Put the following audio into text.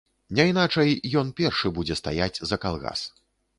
Не іначай, ён першы будзе стаяць за калгас.